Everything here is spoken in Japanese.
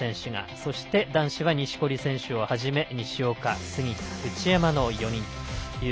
そして、男子は錦織選手をはじめ西岡、杉田、内山の４人。